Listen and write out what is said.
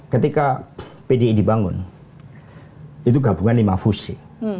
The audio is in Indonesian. ketika pdi dibangun itu gabungan lima fungsi